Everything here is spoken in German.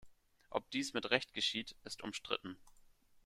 Ob dies mit Recht geschieht, ist umstritten.